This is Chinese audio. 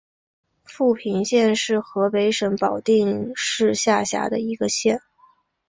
阜平县是河北省保定市下辖的一个县。